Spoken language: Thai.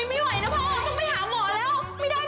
ไม่ไหวนะพ่อต้องไปหาหมอแล้ว